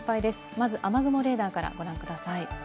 まず、雨雲レーダーからご覧ください。